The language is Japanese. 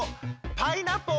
「パイナッポー」